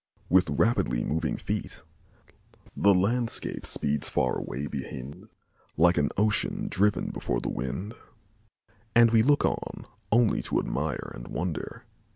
With rapidly moving feet "The landscape speeds far away behind Like an ocean driven before the wind," and we look on only to admire and wonder.